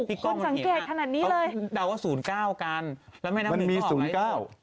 โอ้โหคนสังเกตถนัดนี้เลยเขาเดาว่าศูนย์เก้ากันแล้วแม่น้ำหนึ่งก็ออกไว้ศูนย์เก้า